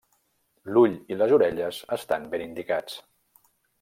L'ull i les orelles estan ben indicats.